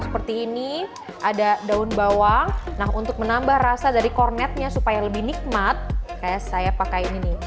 seperti ini ada daun bawang nah untuk menambah rasa dari kornetnya supaya lebih nikmat kayak saya pakai ini nih